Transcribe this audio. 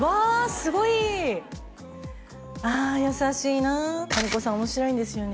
すごいああ優しいなあ金子さん面白いんですよね